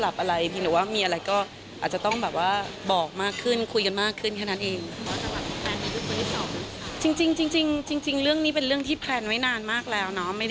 จริงเรื่องนี้เป็นเรื่องที่แพลนไว้นานมากแล้วเนาะ